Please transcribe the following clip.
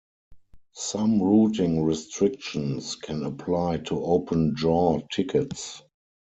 Some routing restrictions can apply to open-jaw tickets.